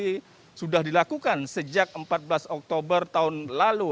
ini sudah dilakukan sejak empat belas oktober tahun lalu